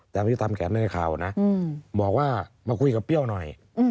ตามที่ทำแขนให้ข่าวนะบอกว่ามาคุยกับเปรี้ยวหน่อย